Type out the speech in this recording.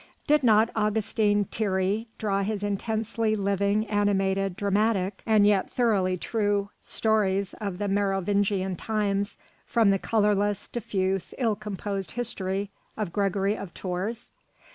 Did not Augustin Thierry draw his intensely living, animated, dramatic, and yet thoroughly true "Stories of the Merovingian Times" from the colourless, diffuse, ill composed history of Gregory of Tours?